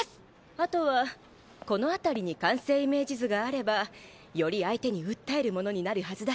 あとはこの辺りに完成イメージ図があればより相手に訴えるものになるはずだ。